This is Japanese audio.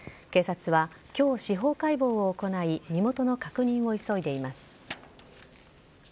警察は今日、司法解剖を行い身元の確認を急いでいます。